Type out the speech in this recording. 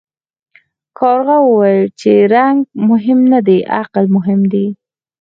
کارغه وویل چې رنګ مهم نه دی عقل مهم دی.